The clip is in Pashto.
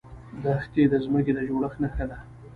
دښتې د ځمکې د جوړښت نښه ده.